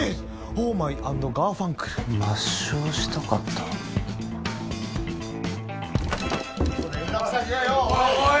オーマイ＆ガーファンクル抹消したかった連絡先がよおい